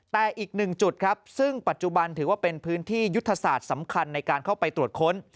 แต่อีกหนึ่งจุดครับซึ่งปัจจุบันถือว่าเป็นพื้นที่ยุทธศาสตร์สำคัญในการเข้าไปตรวจค้น